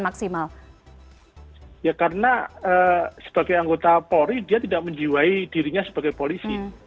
ya karena sebagai anggota polri dia tidak menjiwai dirinya sebagai polisi